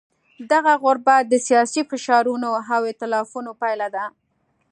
دغه غربت د سیاسي فشارونو او ایتلافونو پایله ده.